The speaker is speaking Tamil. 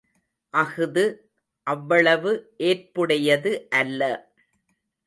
அஃது அவ்வளவு ஏற்புடையது அல்ல!